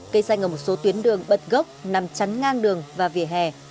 cây xanh ở một số tuyến đường bật gốc nằm chắn ngang đường và vỉa hè